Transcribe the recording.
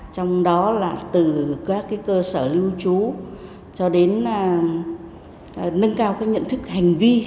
trong đó là từ các cơ sở lưu trú cho đến nâng cao nhận thức hành vi